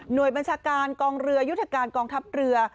โดยบัญชาการกองเรือยุทธการกองทัพเรือ